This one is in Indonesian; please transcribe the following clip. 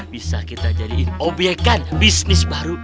bisa kita jadikan obyekan bisnis baru